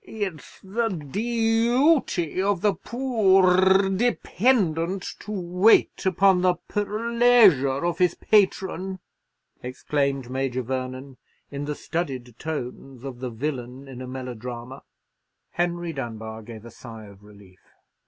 It's the dee yuty of the poor r r dependant to wait upon the per leasure of his patron," exclaimed Major Vernon, in the studied tones of the villain in a melodrama. Henry Dunbar gave a sigh of relief.